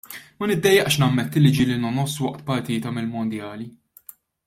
Ma niddejjaqx nammetti li ġieli nongħos waqt partita mill-mondjali.